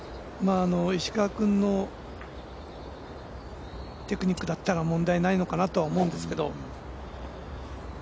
石川君のテクニックだったら問題ないのかなと思うんですけど。